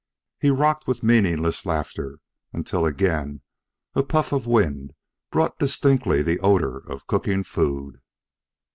He rocked with meaningless laughter until again a puff of wind brought distinctly the odor of cooking food.